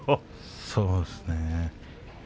そうですね。